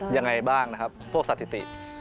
ยังไงบ้างนะครับพวกสถิติ